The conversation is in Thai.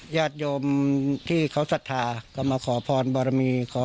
ญาติโยมที่เขาศรัทธาก็มาขอพรบรมีขอ